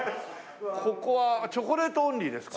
ここはチョコレートオンリーですか？